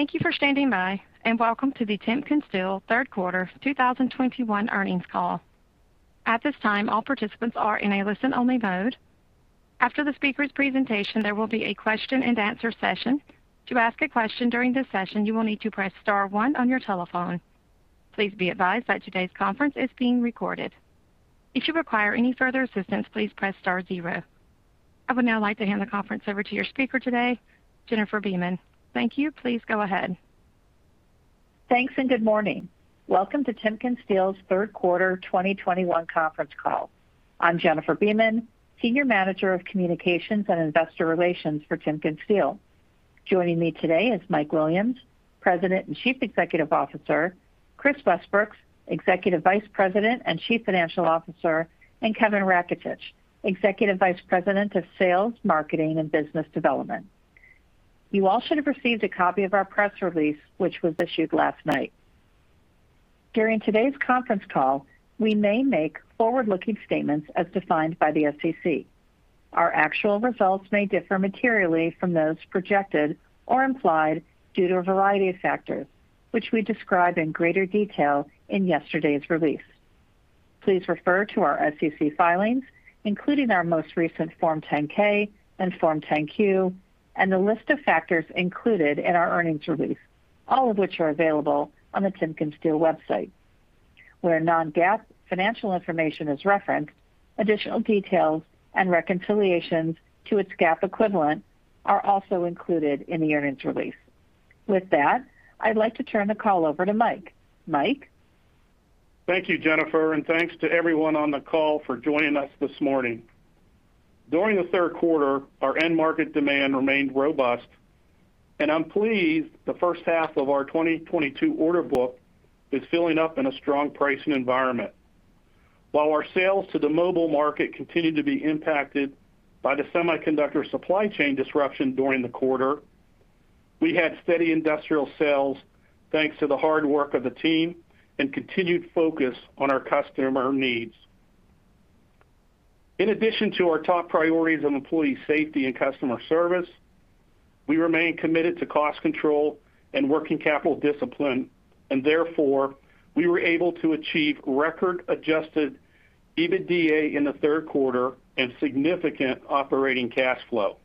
Thank you for standing by, and welcome to the TimkenSteel third quarter 2021 earnings call. At this time, all participants are in a listen-only mode. After the speaker's presentation, there will be a question-and-answer session. To ask a question during this session, you will need to press star one on your telephone. Please be advised that today's conference is being recorded. If you require any further assistance, please press star zero. I would now like to hand the conference over to your speaker today, Jennifer Beeman. Thank you. Please go ahead. Thanks, and good morning. Welcome to TimkenSteel's third quarter 2021 conference call. I'm Jennifer Beeman, Senior Manager of Communications and Investor Relations for TimkenSteel. Joining me today is Mike Williams, President and Chief Executive Officer, Kris Westbrooks, Executive Vice President and Chief Financial Officer, and Kevin Raketich, Executive Vice President of Sales, Marketing, and Business Development. You all should have received a copy of our press release, which was issued last night. During today's conference call, we may make forward-looking statements as defined by the SEC. Our actual results may differ materially from those projected or implied due to a variety of factors, which we describe in greater detail in yesterday's release. Please refer to our SEC filings, including our most recent Form 10-K and Form 10-Q, and the list of factors included in our earnings release, all of which are available on the TimkenSteel website. Where non-GAAP financial information is referenced, additional details and reconciliations to its GAAP equivalent are also included in the earnings release. With that, I'd like to turn the call over to Mike. Mike? Thank you, Jennifer, and thanks to everyone on the call for joining us this morning. During the third quarter, our end market demand remained robust, and I'm pleased the first half of our 2022 order book is filling up in a strong pricing environment. While our sales to the mobile market continued to be impacted by the semiconductor supply chain disruption during the quarter, we had steady industrial sales thanks to the hard work of the team and continued focus on our customer needs. In addition to our top priorities of employee safety and customer service, we remain committed to cost control and working capital discipline, and therefore, we were able to achieve record-adjusted EBITDA in the third quarter and significant operating cash flow.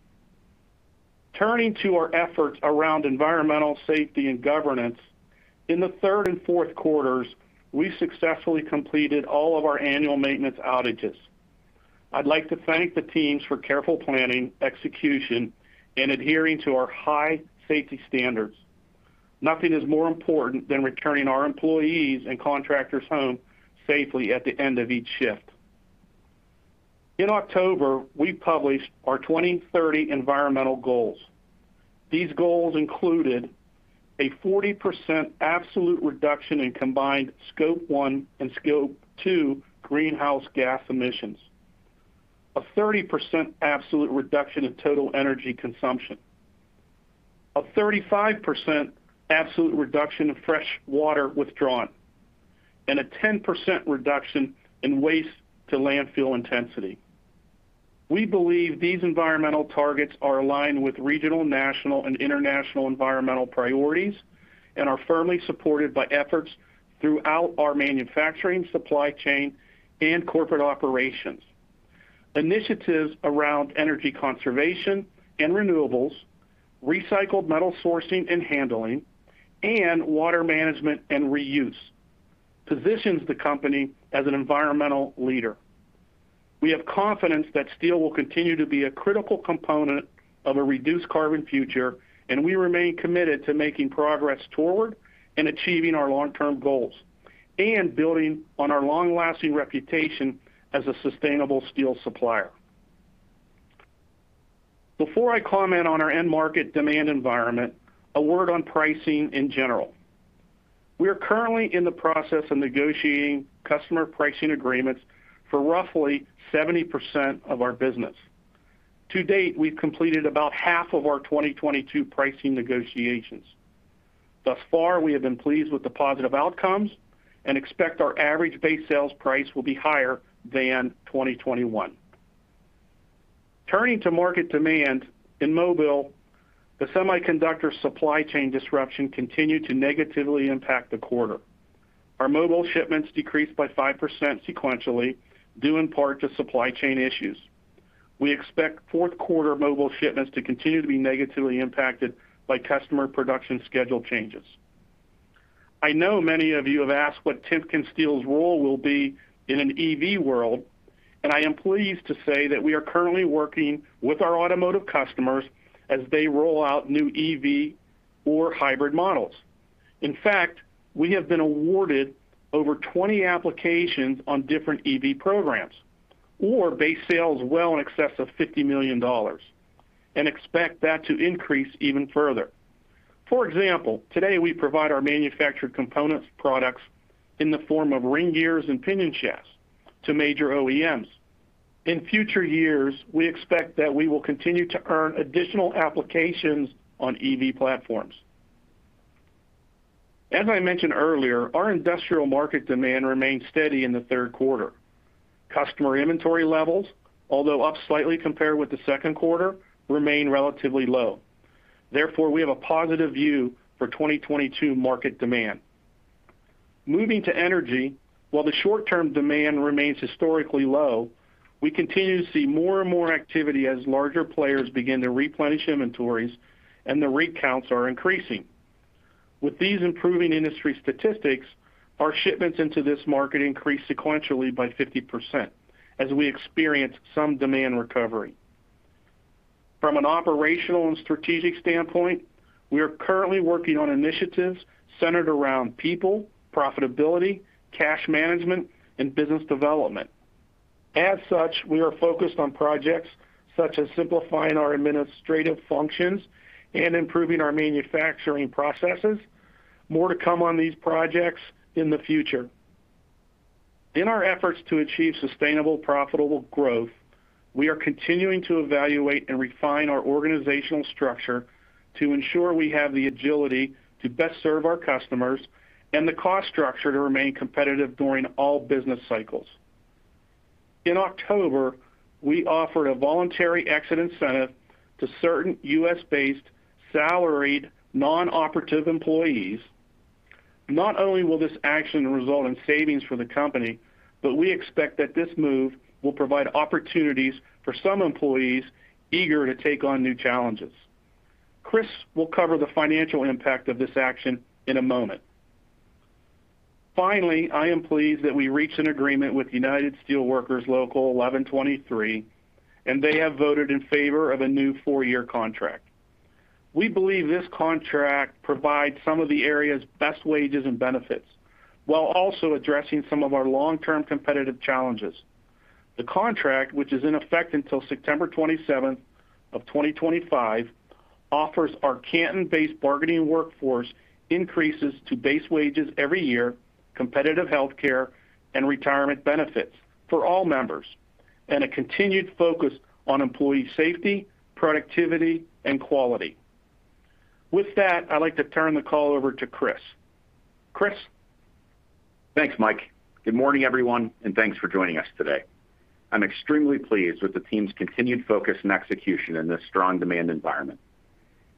Turning to our efforts around ESG, in the third and fourth quarters, we successfully completed all of our annual maintenance outages. I'd like to thank the teams for careful planning, execution, and adhering to our high safety standards. Nothing is more important than returning our employees and contractors home safely at the end of each shift. In October, we published our 2030 environmental goals. These goals included a 40% absolute reduction in combined Scope 1 and Scope 2 greenhouse gas emissions, a 30% absolute reduction in total energy consumption, a 35% absolute reduction of fresh water withdrawn, and a 10% reduction in waste-to-landfill intensity. We believe these environmental targets are aligned with regional, national, and international environmental priorities and are firmly supported by efforts throughout our manufacturing, supply chain, and corporate operations. Initiatives around energy conservation and renewables, recycled metal sourcing and handling, and water management and reuse positions the company as an environmental leader. We have confidence that steel will continue to be a critical component of a reduced carbon future, and we remain committed to making progress toward and achieving our long-term goals and building on our long-lasting reputation as a sustainable steel supplier. Before I comment on our end market demand environment, a word on pricing in general. We are currently in the process of negotiating customer pricing agreements for roughly 70% of our business. To date, we've completed about half of our 2022 pricing negotiations. Thus far, we have been pleased with the positive outcomes and expect our average base sales price will be higher than 2021. Turning to market demand, in mobile, the semiconductor supply chain disruption continued to negatively impact the quarter. Our mobile shipments decreased by 5% sequentially, due in part to supply chain issues. We expect fourth quarter mobile shipments to continue to be negatively impacted by customer production schedule changes. I know many of you have asked what TimkenSteel's role will be in an EV world, and I am pleased to say that we are currently working with our automotive customers as they roll out new EV or hybrid models. In fact, we have been awarded over 20 applications on different EV programs or base sales well in excess of $50 million and expect that to increase even further. For example, today we provide our manufactured components products in the form of ring gears and pinion shafts to major OEMs. In future years, we expect that we will continue to earn additional applications on EV platforms. As I mentioned earlier, our industrial market demand remained steady in the third quarter. Customer inventory levels, although up slightly compared with the second quarter, remain relatively low. Therefore, we have a positive view for 2022 market demand. Moving to energy, while the short-term demand remains historically low, we continue to see more and more activity as larger players begin to replenish inventories and the rig counts are increasing. With these improving industry statistics, our shipments into this market increased sequentially by 50% as we experienced some demand recovery. From an operational and strategic standpoint, we are currently working on initiatives centered around people, profitability, cash management, and business development. As such, we are focused on projects such as simplifying our administrative functions and improving our manufacturing processes. More to come on these projects in the future. In our efforts to achieve sustainable, profitable growth, we are continuing to evaluate and refine our organizational structure to ensure we have the agility to best serve our customers and the cost structure to remain competitive during all business cycles. In October, we offered a voluntary exit incentive to certain U.S.-based salaried, non-operative employees. Not only will this action result in savings for the company, but we expect that this move will provide opportunities for some employees eager to take on new challenges. Kris will cover the financial impact of this action in a moment. Finally, I am pleased that we reached an agreement with United Steelworkers Local 1123, and they have voted in favor of a new four-year contract. We believe this contract provides some of the area's best wages and benefits, while also addressing some of our long-term competitive challenges. The contract, which is in effect until September 27, 2025, offers our Canton-based bargaining workforce increases to base wages every year, competitive healthcare, and retirement benefits for all members, and a continued focus on employee safety, productivity, and quality. With that, I'd like to turn the call over to Kris. Kris? Thanks, Mike. Good morning, everyone, and thanks for joining us today. I'm extremely pleased with the team's continued focus and execution in this strong demand environment.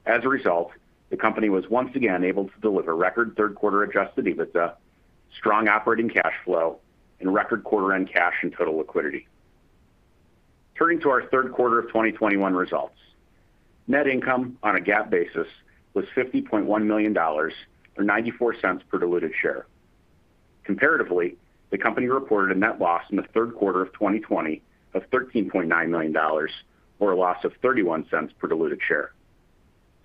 As a result, the company was once again able to deliver record third quarter adjusted EBITDA, strong operating cash flow, and record quarter-end cash and total liquidity. Turning to our third quarter of 2021 results. Net income on a GAAP basis was $50.1 million or $0.94 per diluted share. Comparatively, the company reported a net loss in the third quarter of 2020 of $13.9 million, or a loss of $0.31 per diluted share.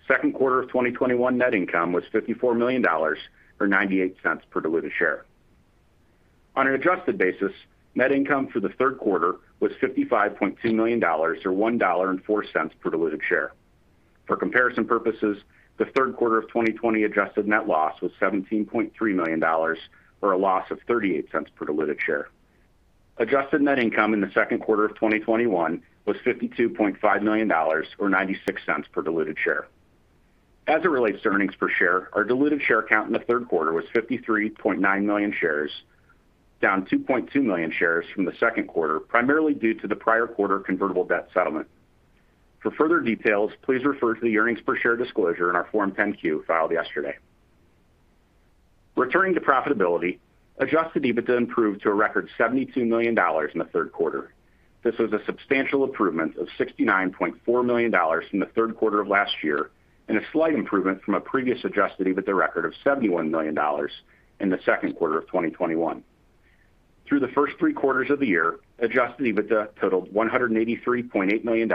Second quarter of 2021 net income was $54 million or $0.98 per diluted share. On an adjusted basis, net income for the third quarter was $55.2 million or $1.04 per diluted share. For comparison purposes, the third quarter of 2020 adjusted net loss was $17.3 million, or a loss of $0.38 per diluted share. Adjusted net income in the second quarter of 2021 was $52.5 million, or $0.96 per diluted share. As it relates to earnings per share, our diluted share count in the third quarter was 53.9 million shares, down 2.2 million shares from the second quarter, primarily due to the prior quarter convertible debt settlement. For further details, please refer to the earnings per share disclosure in our Form 10-Q filed yesterday. Returning to profitability, adjusted EBITDA improved to a record $72 million in the third quarter. This was a substantial improvement of $69.4 million from the third quarter of last year, and a slight improvement from a previous adjusted EBITDA record of $71 million in the second quarter of 2021. Through the first three quarters of the year, adjusted EBITDA totaled $183.8 million,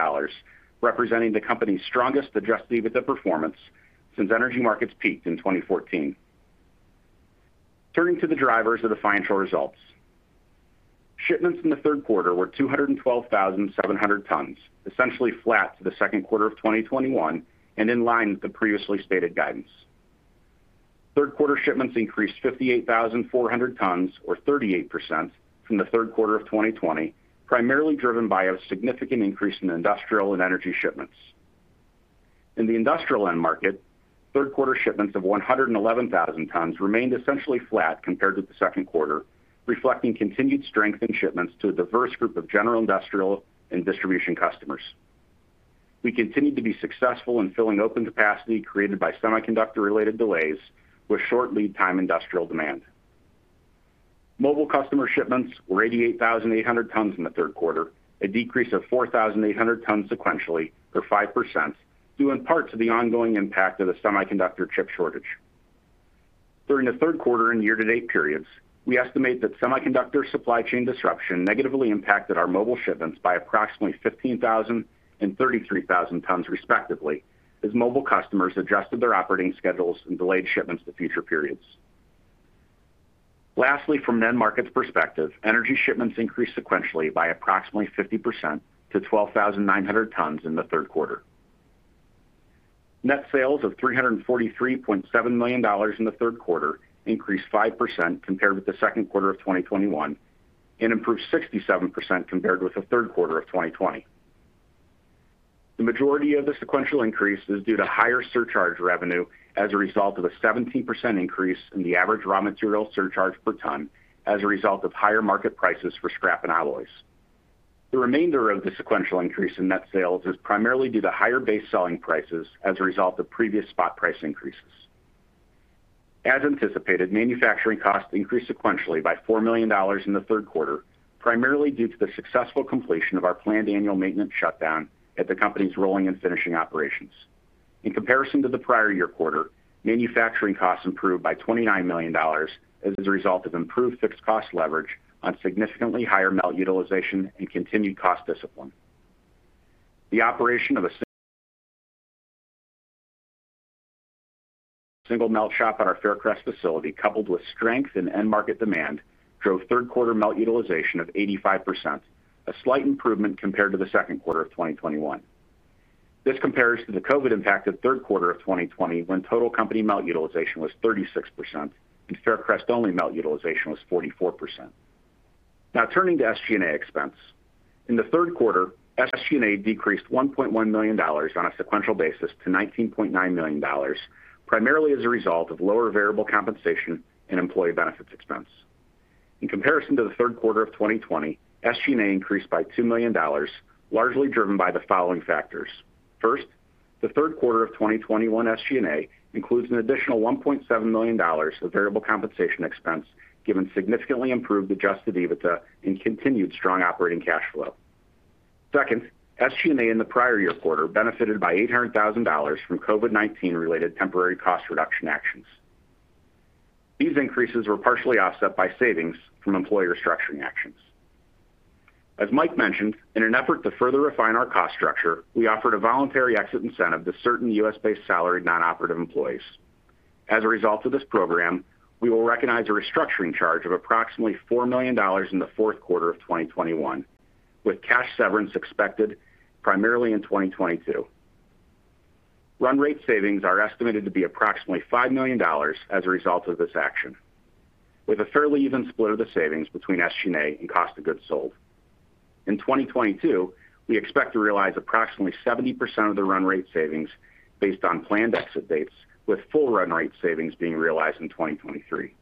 representing the company's strongest adjusted EBITDA performance since energy markets peaked in 2014. Turning to the drivers of the financial results. Shipments in the third quarter were 212,700 tons, essentially flat to the second quarter of 2021 and in line with the previously stated guidance. Third quarter shipments increased 58,400 tons or 38% from the third quarter of 2020, primarily driven by a significant increase in industrial and energy shipments. In the industrial end market, third quarter shipments of 111,000 tons remained essentially flat compared with the second quarter, reflecting continued strength in shipments to a diverse group of general industrial and distribution customers. We continued to be successful in filling open capacity created by semiconductor-related delays with short lead time industrial demand. Mobile customer shipments were 88,800 tons in the third quarter, a decrease of 4,800 tons sequentially or 5%, due in part to the ongoing impact of the semiconductor chip shortage. During the third quarter and year-to-date periods, we estimate that semiconductor supply chain disruption negatively impacted our mobile shipments by approximately 15,000 tons and 33,000 tons respectively, as mobile customers adjusted their operating schedules and delayed shipments to future periods. Lastly, from an end markets perspective, energy shipments increased sequentially by approximately 50% to 12,900 tons in the third quarter. Net sales of $343.7 million in the third quarter increased 5% compared with the second quarter of 2021, and improved 67% compared with the third quarter of 2020. The majority of the sequential increase is due to higher surcharge revenue as a result of a 17% increase in the average raw material surcharge per ton as a result of higher market prices for scrap and alloys. The remainder of the sequential increase in net sales is primarily due to higher base selling prices as a result of previous spot price increases. As anticipated, manufacturing costs increased sequentially by $4 million in the third quarter, primarily due to the successful completion of our planned annual maintenance shutdown at the company's rolling and finishing operations. In comparison to the prior year quarter, manufacturing costs improved by $29 million as a result of improved fixed cost leverage on significantly higher melt utilization and continued cost discipline. The operation of a single melt shop at our Faircrest facility, coupled with strength in end market demand, drove third quarter melt utilization of 85%, a slight improvement compared to the second quarter of 2021. This compares to the COVID-impacted third quarter of 2020 when total company melt utilization was 36% and Faircrest-only melt utilization was 44%. Now turning to SG&A expense. In the third quarter, SG&A decreased $1.1 million on a sequential basis to $19.9 million, primarily as a result of lower variable compensation and employee benefits expense. In comparison to the third quarter of 2020, SG&A increased by $2 million, largely driven by the following factors. First, the third quarter of 2021 SG&A includes an additional $1.7 million of variable compensation expense given significantly improved adjusted EBITDA and continued strong operating cash flow. Second, SG&A in the prior year quarter benefited by $800,000 from COVID-19 related temporary cost reduction actions. These increases were partially offset by savings from employment restructuring actions. As Mike mentioned, in an effort to further refine our cost structure, we offered a voluntary exit incentive to certain U.S.-based salaried non-operative employees. As a result of this program, we will recognize a restructuring charge of approximately $4 million in the fourth quarter of 2021, with cash severance expected primarily in 2022. Run rate savings are estimated to be approximately $5 million as a result of this action, with a fairly even split of the savings between SG&A and cost of goods sold. In 2022, we expect to realize approximately 70% of the run rate savings based on planned exit dates, with full run rate savings being realized in 2023.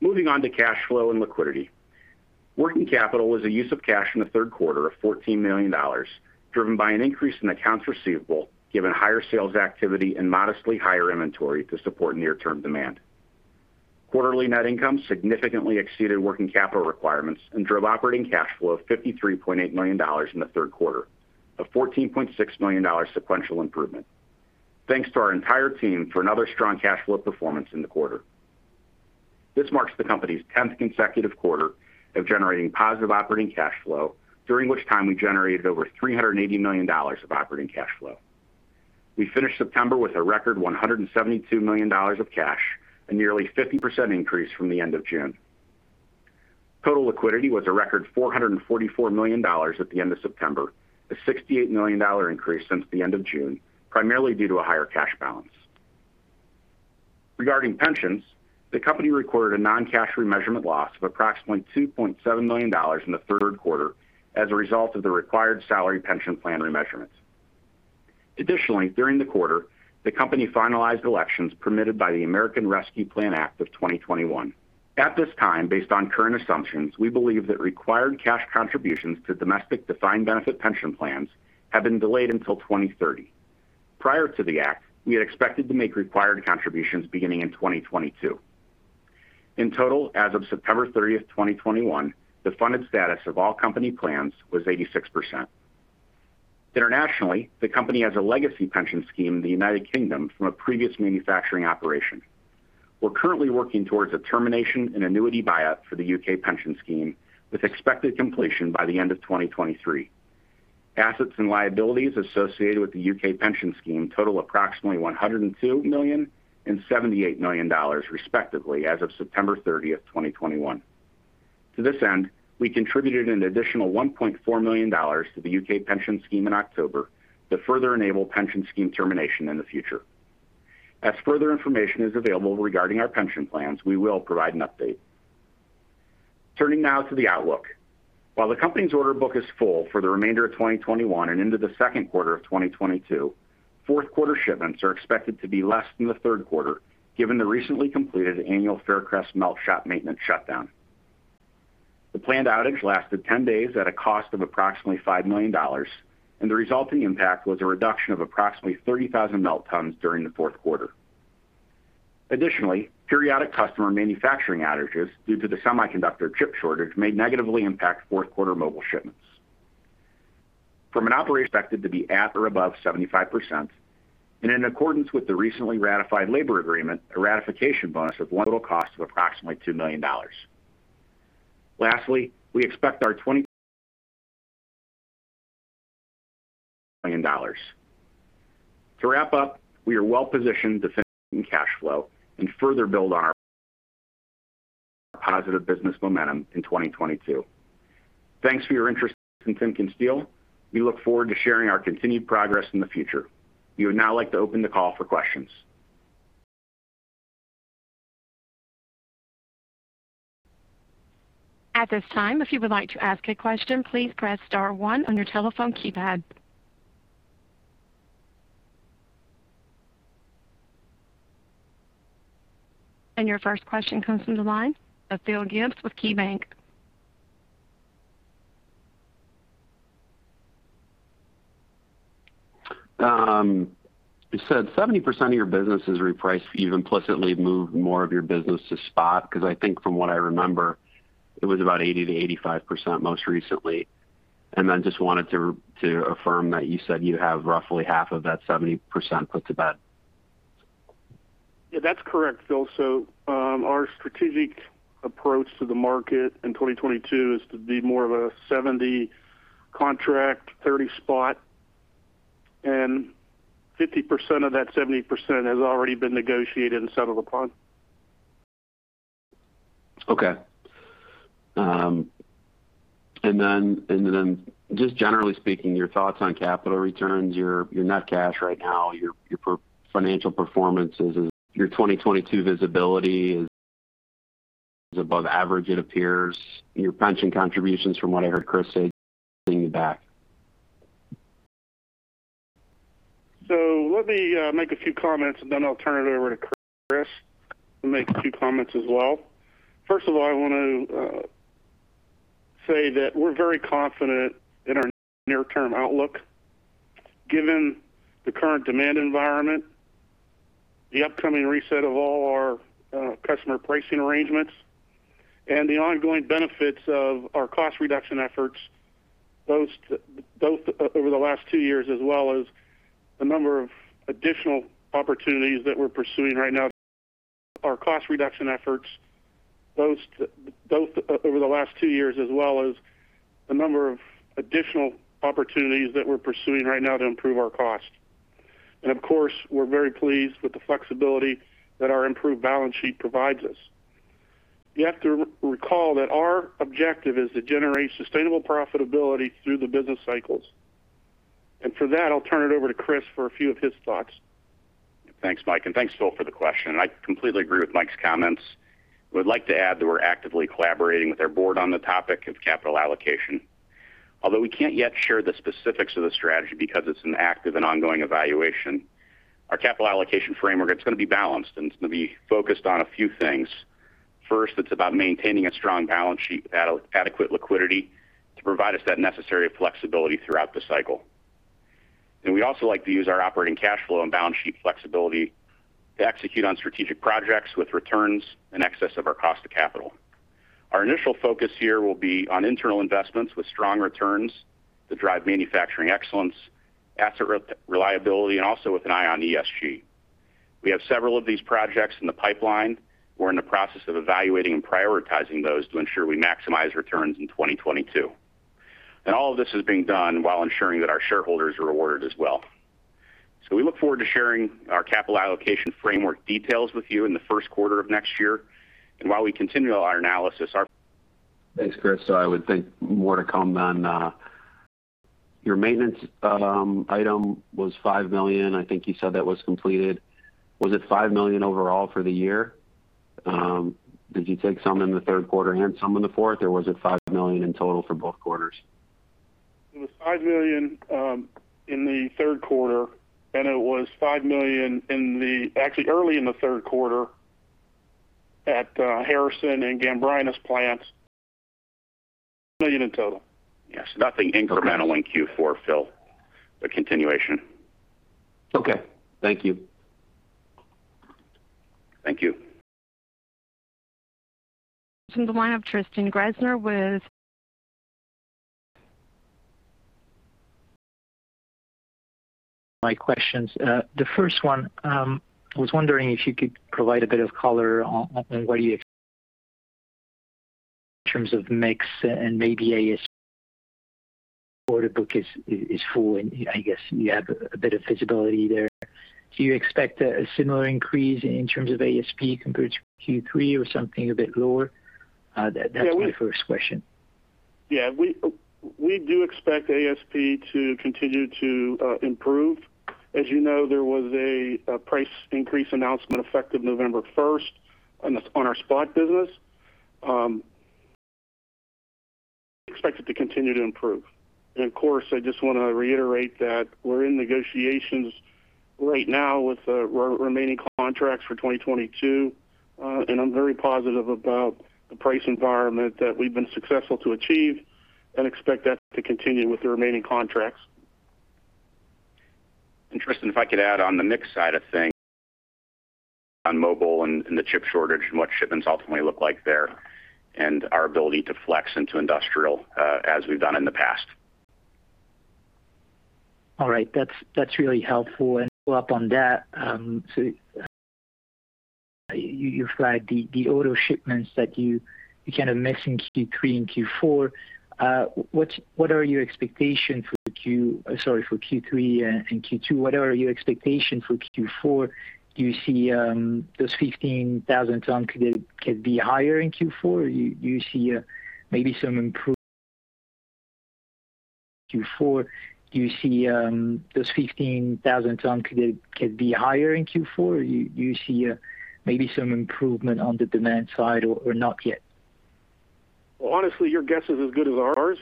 Moving on to cash flow and liquidity. Working capital was a use of cash in the third quarter of $14 million, driven by an increase in accounts receivable given higher sales activity and modestly higher inventory to support near-term demand. Quarterly net income significantly exceeded working capital requirements and drove operating cash flow of $53.8 million in the third quarter, a $14.6 million sequential improvement. Thanks to our entire team for another strong cash flow performance in the quarter. This marks the company's tenth consecutive quarter of generating positive operating cash flow, during which time we generated over $380 million of operating cash flow. We finished September with a record $172 million of cash, a nearly 50% increase from the end of June. Total liquidity was a record $444 million at the end of September, a $68 million increase since the end of June, primarily due to a higher cash balance. Regarding pensions, the company recorded a non-cash remeasurement loss of approximately $2.7 million in the third quarter as a result of the required salary pension plan remeasurements. Additionally, during the quarter, the company finalized elections permitted by the American Rescue Plan Act of 2021. At this time, based on current assumptions, we believe that required cash contributions to domestic defined benefit pension plans have been delayed until 2030. Prior to the act, we had expected to make required contributions beginning in 2022. In total, as of September 30, 2021, the funded status of all company plans was 86%. Internationally, the company has a legacy pension scheme in the United Kingdom from a previous manufacturing operation. We're currently working towards a termination and annuity buyout for the U.K. pension scheme with expected completion by the end of 2023. Assets and liabilities associated with the U.K. pension scheme total approximately $102 million and $78 million respectively as of September 30, 2021. To this end, we contributed an additional $1.4 million to the U.K. pension scheme in October to further enable pension scheme termination in the future. As further information is available regarding our pension plans, we will provide an update. Turning now to the outlook. While the company's order book is full for the remainder of 2021 and into the second quarter of 2022, fourth quarter shipments are expected to be less than the third quarter given the recently completed annual Faircrest melt shop maintenance shutdown. The planned outage lasted 10 days at a cost of approximately $5 million, and the resulting impact was a reduction of approximately 30,000 melt tons during the fourth quarter. Additionally, periodic customer manufacturing outages due to the semiconductor chip shortage may negatively impact fourth quarter mobile shipments. Expected to be at or above 75%. In accordance with the recently ratified labor agreement, a one-time ratification bonus, total cost of approximately $2 million. Lastly, we expect our $20 million. To wrap up, we are well positioned to finish cash flow and further build on positive business momentum in 2022. Thanks for your interest in TimkenSteel. We look forward to sharing our continued progress in the future. We would now like to open the call for questions. Your first question comes from the line of Phil Gibbs with KeyBanc. You said 70% of your business is repriced. You've implicitly moved more of your business to spot because I think from what I remember, it was about 80%-85% most recently. Just wanted to affirm that you said you have roughly half of that 70% put to bed. Yeah, that's correct, Phil. Our strategic approach to the market in 2022 is to be more of a 70 contract, 30 spot. 50% of that 70% has already been negotiated and settled upon. Okay. Just generally speaking, your thoughts on capital returns, your net cash right now, your financial performance, your 2022 visibility is above average it appears. Your pension contributions from what I heard Kris say, paying you back. Let me make a few comments and then I'll turn it over to Kris to make a few comments as well. First of all, I want to say that we're very confident in our near-term outlook. Given the current demand environment, the upcoming reset of all our customer pricing arrangements, and the ongoing benefits of our cost reduction efforts, both over the last two years as well as the number of additional opportunities that we're pursuing right now. Our cost reduction efforts, both over the last two years as well as the number of additional opportunities that we're pursuing right now to improve our cost. Of course, we're very pleased with the flexibility that our improved balance sheet provides us. You have to recall that our objective is to generate sustainable profitability through the business cycles. For that, I'll turn it over to Kris for a few of his thoughts. Thanks, Mike, and thanks, Phil for the question. I completely agree with Mike's comments. I would like to add that we're actively collaborating with our board on the topic of capital allocation. Although we can't yet share the specifics of the strategy because it's an active and ongoing evaluation, our capital allocation framework, it's going to be balanced, and it's going to be focused on a few things. First, it's about maintaining a strong balance sheet with adequate liquidity to provide us that necessary flexibility throughout the cycle. We also like to use our operating cash flow and balance sheet flexibility to execute on strategic projects with returns in excess of our cost of capital. Our initial focus here will be on internal investments with strong returns to drive manufacturing excellence, asset reliability, and also with an eye on ESG. We have several of these projects in the pipeline. We're in the process of evaluating and prioritizing those to ensure we maximize returns in 2022. All of this is being done while ensuring that our shareholders are rewarded as well. We look forward to sharing our capital allocation framework details with you in the first quarter of next year. While we continue our analysis, our Thanks, Kris. I would think more to come then. Your maintenance item was $5 million. I think you said that was completed. Was it $5 million overall for the year? Did you take some in the third quarter and some in the fourth or was it $5 million in total for both quarters? It was $5 million in the third quarter, and it was $5 million actually early in the third quarter at Harrison and Gambrinus plants, $5 million in total. Yes. Nothing incremental in Q4, Phil. A continuation. Okay. Thank you. Thank you. From the line of Tristan Gresser with My questions. The first one, I was wondering if you could provide a bit of color on what you expect in terms of mix and maybe ASP. Order book is full, and I guess you have a bit of visibility there. Do you expect a similar increase in terms of ASP compared to Q3 or something a bit lower? Yeah. That's my first question. Yeah. We do expect ASP to continue to improve. As you know, there was a price increase announcement effective November 1 on our spot business. Expect it to continue to improve. Of course, I just wanna reiterate that we're in negotiations right now with remaining contracts for 2022. I'm very positive about the price environment that we've been successful to achieve and expect that to continue with the remaining contracts. Tristan, if I could add on the mix side of things on mobile and the chip shortage and what shipments ultimately look like there and our ability to flex into industrial, as we've done in the past. All right. That's really helpful. To follow up on that, so you flagged the auto shipments that you kind of missed in Q3 and Q4. What are your expectations for Q4? Sorry for Q3 and Q2. Do you see those 15,000 tons could be higher in Q4? Or you see maybe some improvement on the demand side or not yet? Well, honestly, your guess is as good as ours.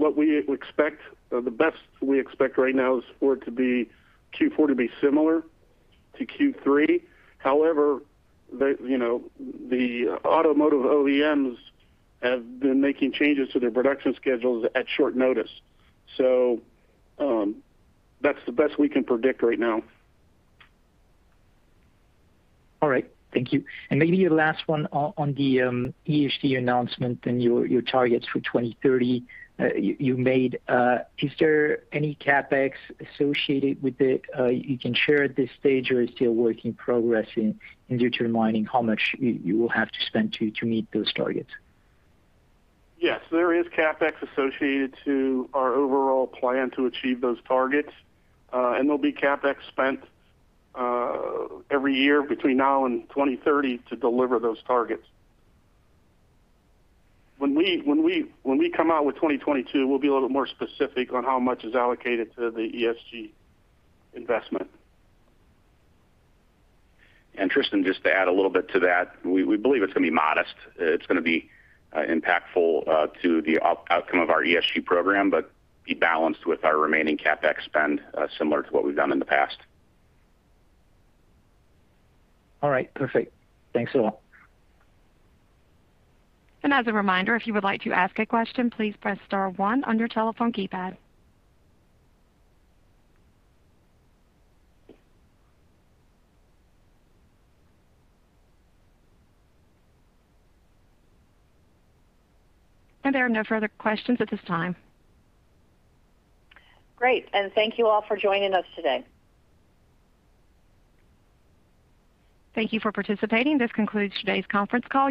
The best we expect right now is Q4 to be similar to Q3. However, you know, the automotive OEMs have been making changes to their production schedules at short notice. That's the best we can predict right now. All right. Thank you. Maybe a last one on the ESG announcement and your targets for 2030 you made. Is there any CapEx associated with it you can share at this stage, or you're still work in progress in determining how much you will have to spend to meet those targets? Yes, there is CapEx associated to our overall plan to achieve those targets. There'll be CapEx spent every year between now and 2030 to deliver those targets. When we come out with 2022, we'll be a little more specific on how much is allocated to the ESG investment. Tristan, just to add a little bit to that. We believe it's gonna be modest. It's gonna be impactful to the outcome of our ESG program, but be balanced with our remaining CapEx spend, similar to what we've done in the past. All right. Perfect. Thanks a lot. As a reminder, if you would like to ask a question, please press star 1 on your telephone keypad. There are no further questions at this time. Great. Thank you all for joining us today. Thank you for participating. This concludes today's conference call.